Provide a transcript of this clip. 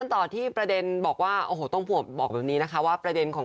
ต่อที่ประเด็นบอกว่าโอ้โหต้องผัวบอกแบบนี้นะคะว่าประเด็นของ